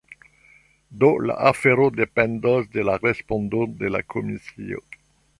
Do la afero dependos de la respondo de la komisio.